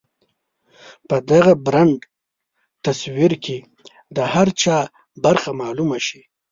په دغه بربنډ تصوير کې د هر چا برخه معلومه شي.